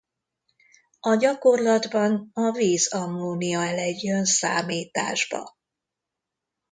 A gyakorlatban a víz-ammónia elegy jön számításba.